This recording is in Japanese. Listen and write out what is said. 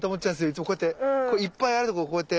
いつもこうやっていっぱいあるところこうやって。